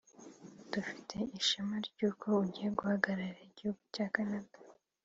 dufite ishema ry’uko ugiye guhagararira igihugu cya Canada…”